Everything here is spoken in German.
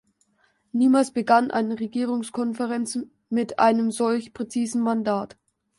Niemals begann eine Regierungskonferenz mit einem solch präzisen Mandat.